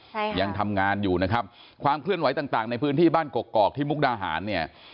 ใช่ค่ะยังทำงานอยู่นะครับความเคลื่อนไหวต่างต่างในพื้นที่บ้านกกอกที่มุกดาหารเนี่ย